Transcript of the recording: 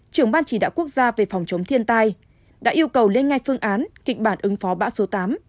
trưởng ban chỉ đạo quốc gia về phòng chống thiên tai đã yêu cầu lên ngay phương án kịch bản ứng phó bão số tám